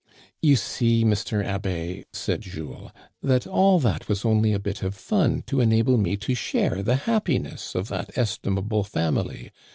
" You see, Mr. Abbé," said Jules, " that all that was only a bit of fun to enable me to share the happiness of that estimable family.